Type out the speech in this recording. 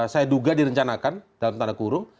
saya duga direncanakan dalam tanda kurung